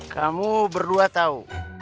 kamu berdua tahu